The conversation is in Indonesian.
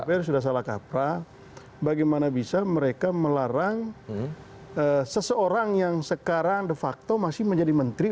dpr sudah salah kaprah bagaimana bisa mereka melarang seseorang yang sekarang de facto masih menjadi menteri